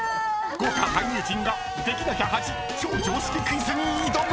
［豪華俳優陣ができなきゃ恥超常識クイズに挑む！］